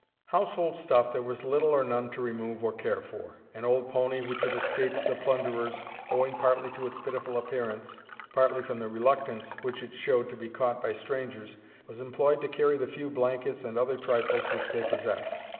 Household stuff there was little or none to remove or care for; an old pony which had escaped the plunderers, owing partly to its pitiful appearance, partly from the reluctance which it showed to be caught by strangers, was employed to carry the few blankets and other trifles which they possessed.